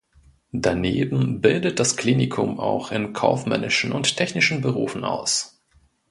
Daneben bildet das Klinikum auch in kaufmännischen und technischen Berufen aus.